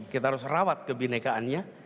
kita harus rawat kebinekaannya